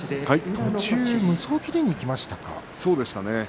途中、無双を切りにいきましたか。